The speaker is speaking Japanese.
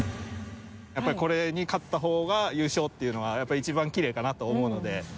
やっぱりこれに勝った方が優勝っていうのがやっぱり一番きれいかなと思うので。